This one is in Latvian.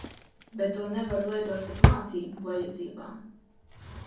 Bet to nevaru lietot pat mācību vajadzībām.